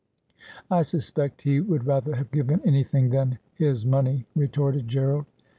' I suspect he would rather have given anything than his money,' retorted Gerald.